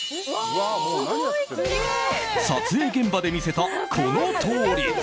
撮影現場で見せたこの倒立。